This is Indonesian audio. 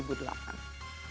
nah ini adalah penyelesaiannya